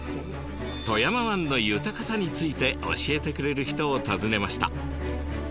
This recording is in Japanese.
富山湾の豊かさについて教えてくれる人を訪ねました。